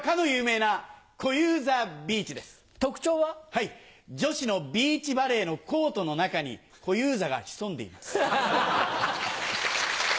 はい女子のビーチバレーのコートの中に小遊三が潜んでいます。